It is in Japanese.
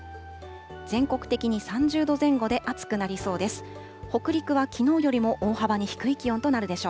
全国的に３０度前後で暑くなりそうです。